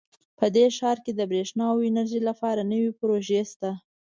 په دې ښار کې د بریښنا او انرژۍ لپاره نوي پروژې شته